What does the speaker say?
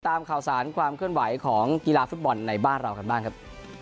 ตามข่าวสารความเคลื่อนไหวของกีฬาฟุตบอลในบ้านเรากันบ้างครับ